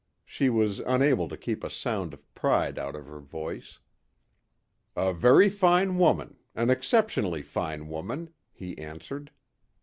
She was unable to keep a sound of pride out of her voice. "A very fine woman. An exceptionally fine woman," he answered.